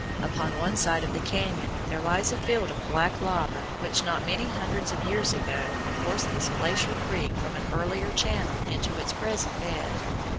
Upon one side of the cañon there lies a field of black lava which not many hundreds of years ago forced this glacial creek from an earlier channel into its present bed.